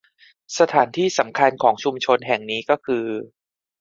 สถานที่สำคัญของชุมชนแห่งนี้ก็คือ